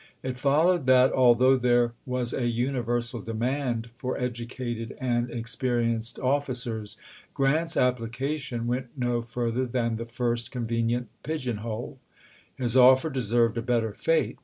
It fol lowed that, although there was a universal demand for educated and experienced officers. Grant's ap plication went no further than the fii'st convenient pigeon hole. His offer deserved a better fate.